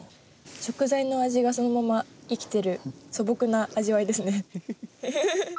食材の味がそのまま生きてる素朴な味わいですね。